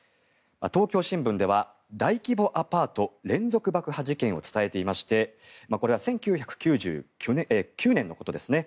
東京新聞では大規模アパート連続爆破事件を伝えていましてこれは１９９９年のことですね。